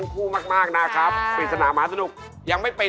ส่วนมัยเลขหนึ่งอย่างนี้